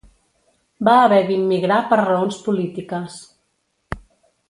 Va haver d'immigrar per raons polítiques.